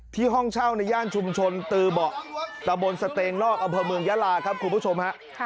ห้องเช่าในย่านชุมชนตือเบาะตะบนสเตงนอกอำเภอเมืองยาลาครับคุณผู้ชมฮะ